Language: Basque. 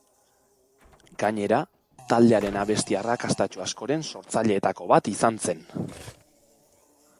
Gainera, taldearen abesti arrakastatsu askoren sortzaileetako bat izan zen.